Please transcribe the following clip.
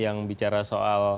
yang bicara soal